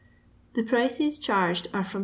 The prices charged are from 2s.